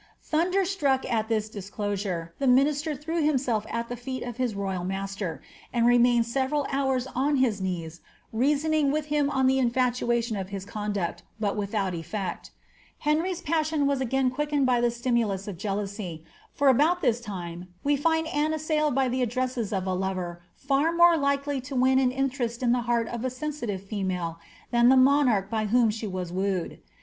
Thunderstruck at this disclosure, the minister threw himself at Hi^ feet of his royal master, and remained several hours on hia knees reasoning with him on the infatuation of his conduct, bat without eflect Henry's passion was again quickened by the stimu lus of jealousy, for about this time we find Anne assailed by the ad dresses of a lover &r more likely to win an interest in the heart of a lensitive female than the monarch by whom she was wooed.